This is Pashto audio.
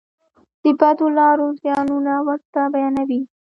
د بدو لارو زیانونه ورته بیانوي.